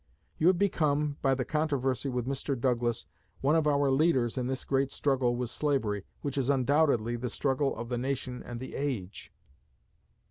You have become, by the controversy with Mr. Douglas, one of our leaders in this great struggle with slavery, which is undoubtedly the struggle of the nation and the age.